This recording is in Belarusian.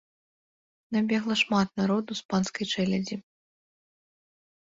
Набегла шмат народу з панскай чэлядзі.